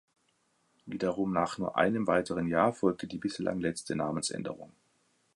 Wiederum nach nur einem weiteren Jahr folgte die bislang letzte Namensänderung.